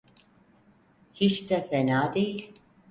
Hiç de fena değil.